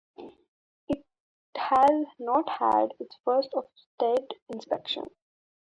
It has not had its first Ofsted inspection.